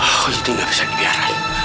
aku ini nggak bisa dibiarkan